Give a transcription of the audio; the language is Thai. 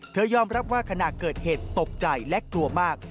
ยอมรับว่าขณะเกิดเหตุตกใจและกลัวมาก